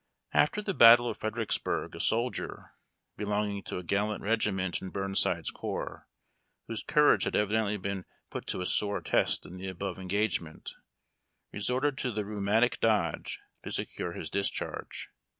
After the battle of Fredericksburg a soldier belonging to a gallant regiment in Burnside's corps, whose courage had evidently been put to a sore test in the above engagement, resorted to the 7'heumatic dodge to secure his discharge.